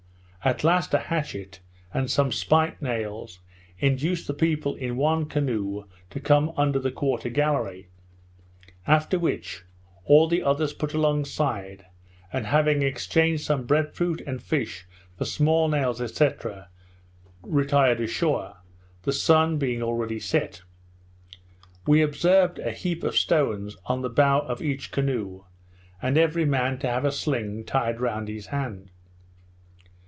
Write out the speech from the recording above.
At last a hatchet, and some spike nails, induced the people in one canoe to come under the quarter gallery; after which, all the others put alongside, and having exchanged some breadfruit and fish for small nails, &c. retired ashore, the sun being already set. We observed a heap of stones on the bow of each canoe, and every man to have a sling tied round his hand.